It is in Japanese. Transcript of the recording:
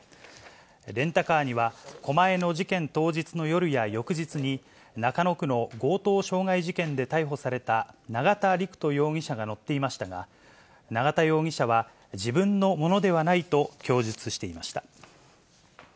レンタカーには、狛江の事件当日の夜や翌日に、中野区の強盗傷害事件で逮捕された永田陸人容疑者が乗っていましたが、永田容疑者は自分のものではないと供述していました。